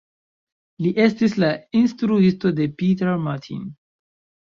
Li estis la instruisto de Peter Martin.